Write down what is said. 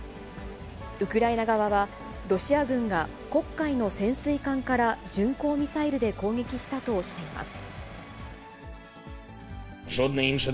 ウクライナ側は、ロシア軍が黒海の潜水艦から巡航ミサイルで攻撃したとしています。